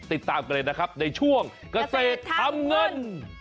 ติดตามกันเลยนะครับในช่วงเกษตรทำเงิน